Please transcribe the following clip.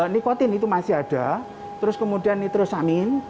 nikotin itu masih ada terus kemudian nitrosamin